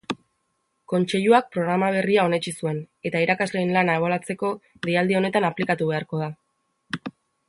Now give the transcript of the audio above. Kontseiluak programa berria onetsi zuen, eta irakasleen lana ebaluatzeko deialdi honetan aplikatu beharrekoa da.